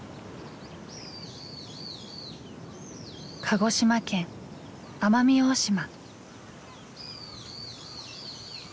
鹿児島県奄美大島。